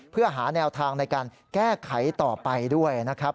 เพื่อหาแนวทางในการแก้ไขต่อไปด้วยนะครับ